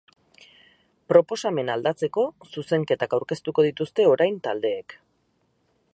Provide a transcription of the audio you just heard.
Proposamena aldatzeko zuzenketak aurkeztuko dituzte orain taldeek.